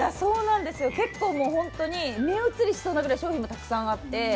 結構、本当に目移りしそうなぐらい商品もたくさんあって。